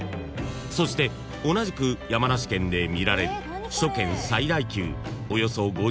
［そして同じく山梨県で見られる首都圏最大級］